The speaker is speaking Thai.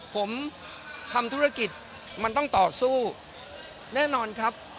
ผมทำธุรกิจมันต้องต่อสู้แน่นอนครับ